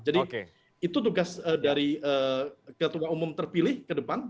jadi itu tugas dari ketua umum terpilih ke depan